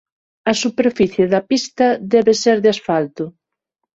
A superficie da pista debe ser de asfalto.